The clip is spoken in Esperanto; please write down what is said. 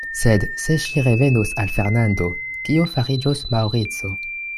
Sed se ŝi revenos al Fernando, kio fariĝos Maŭrico?